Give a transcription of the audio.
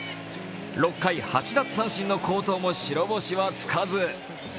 ６回８奪三振の好投も白星はつかず。